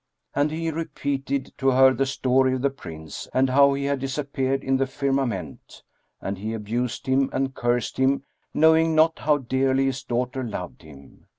And he repeated to her the story of the Prince and how he had disappeared in the firmament; and he abused him and cursed him knowing not how dearly his daughter loved him.